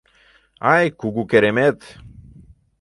Ай, кугу керемет!